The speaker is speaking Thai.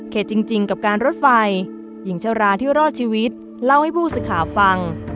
เข็ดจริงกับการรถไฟยิ่งเฉาราที่รอดชีวิตเล่าให้ผู้ศึกขาฟัง